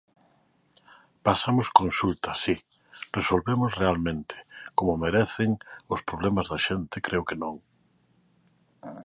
Pasamos consulta, si; resolvemos realmente, como merecen, os problemas da xente, creo que non.